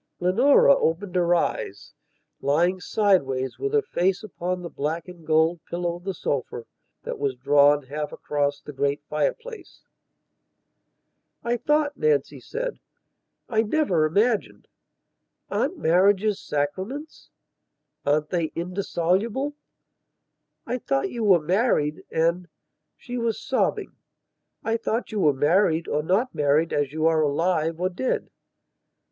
Leonora opened her eyes, lying sideways, with her face upon the black and gold pillow of the sofa that was drawn half across the great fireplace. "I thought," Nancy said, "I never imagined.... Aren't marriages sacraments? Aren't they indissoluble? I thought you were married. .. and..." She was sobbing. "I thought you were married or not married as you are alive or dead."